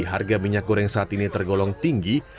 harga minyak goreng saat ini tergolong tinggi